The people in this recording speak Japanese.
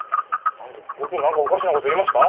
僕何かおかしなこと言いました？